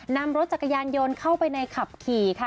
นำรถจักรยานยนต์เข้าไปในขับขี่ค่ะ